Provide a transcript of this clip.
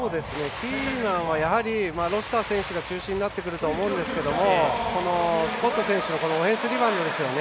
キーマンはロシター選手が中心になってくると思いますがスコット選手のオフェンスリバウンドですね。